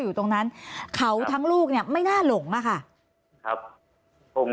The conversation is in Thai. อยู่ตรงนั้นเขาทั้งลูกเนี่ยไม่น่าหลงอะค่ะครับผม